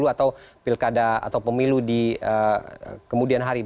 atau pilkada atau pemilu di kemudian hari